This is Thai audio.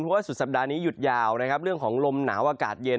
เพราะว่าสุดสัปดาห์นี้หยุดยาวนะครับเรื่องของลมหนาวอากาศเย็น